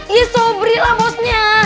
ya sobri lah bosnya